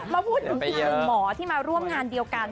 มาพูดถึงอีกหนึ่งหมอที่มาร่วมงานเดียวกัน